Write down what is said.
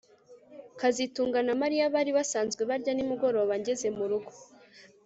kazitunga na Mariya bari basanzwe barya nimugoroba ngeze murugo